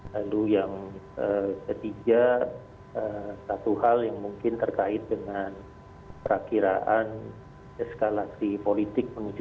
lalu yang ketiga satu hal yang mungkin terkait dengan perakiraan eskalasi politik menuju dua ribu dua puluh empat